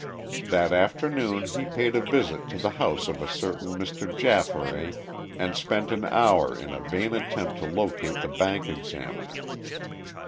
That afternoon he paid a visit to the house of a certain Mr. Jafferay and spent an hour in a vain attempt to locate the bank examiner.